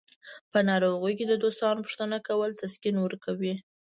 په ناروغۍ کې د دوستانو پوښتنه کول تسکین ورکوي.